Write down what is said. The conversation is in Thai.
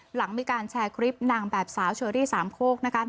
หลังมีการแชร์คลิปนางแบบสาวเชอรี่สามโคกนะคะ